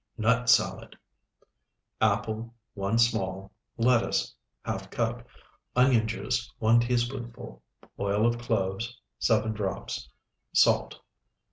NUT SALAD Apple, 1 small. Lettuce, ½ cup. Onion juice, 1 teaspoonful. Oil of cloves, 7 drops. Salt.